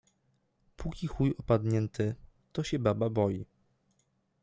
Póki chuj opadnięty, to się baba boi